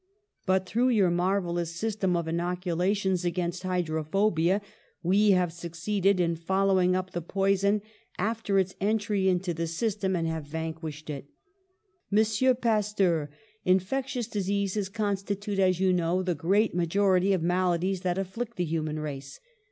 "But through your marvellous system of in oculations against hydrophobia you have suc ceeded in following up the poison after its en try into the system and have vanquished it. 198 PASTEUR ''Monsieur Pasteur, infectious diseases con stitute, as you know, the great majority of maladies that afflict the human race.